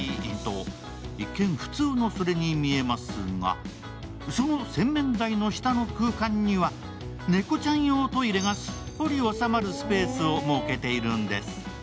と一見普通のそれに見えますがその洗面台の下の空間には、猫ちゃん用トイレがすっぽり収まるスペースを設けているんです。